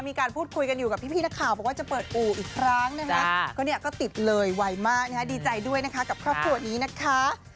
มีการพูดคุยกันอยู่กับพี่นักข่าวบอกว่าจะเปิดอู่อีกครั้งนะคะก็เนี่ยก็ติดเลยไวมากนะคะดีใจด้วยนะคะกับครอบครัวนี้นะคะ